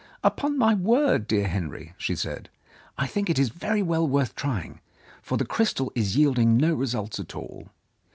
"Upon my word, dear Henry," she said, "I think it is very well worth trying, for the crystal is yield ing no results at all.